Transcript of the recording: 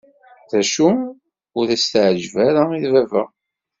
D acu, ur s-tɛeǧǧeb ara i baba.